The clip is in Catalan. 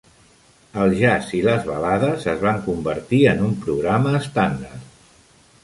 El jazz i les balades es van convertir en un programa estàndard.